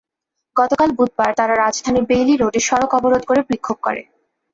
গতকাল বুধবার তারা রাজধানীর বেইলি রোডে সড়ক অবরোধ করে বিক্ষোভ করে।